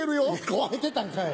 壊れてたんかい！